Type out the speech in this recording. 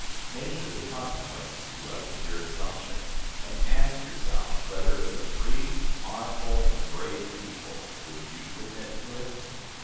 Measure the consequences to us of your assumption, and ask yourselves whether, as a free, honorable, and brave people, you would submit to it?